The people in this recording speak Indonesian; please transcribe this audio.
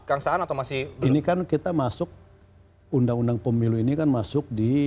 yang tak dulu